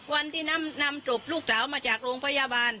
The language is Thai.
วันที่นำศพลูกสาวมาจากโรงพยาบาล